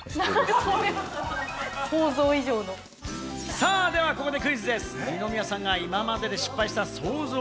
さぁ、ではここでクイズです。